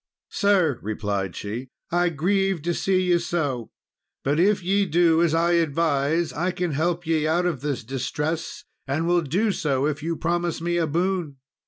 "Sir," replied she, "I grieve to see ye so, but if ye do as I advise, I can help ye out of this distress, and will do so if you promise me a boon."